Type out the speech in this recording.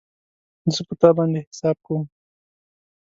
زه په تا باندی حساب کوم